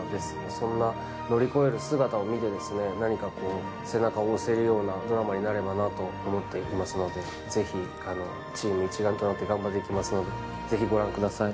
そんな乗り越える姿を見て、何か背中を押せるようなドラマになればなと思っていますので、是非、チーム一丸となって頑張っていきますので是非ご覧ください。